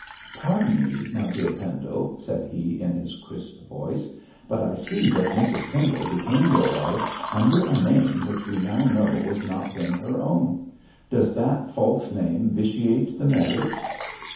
'Pardon me, my dear Pendle,' said he, in his crisp voice, 'but I see that Mrs Pendle became your wife under a name which we now know was not then her own. Does that false name vitiate the marriage?'